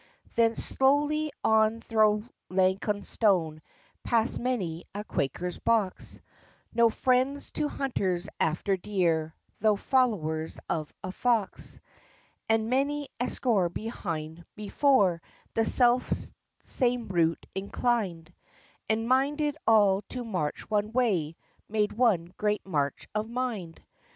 Thence slowly on thro' Laytonstone, Past many a Quaker's box, No friends to hunters after deer, Tho' followers of a Fox. And many a score behind before The self same route inclined, And, minded all to march one way, Made one great march of mind.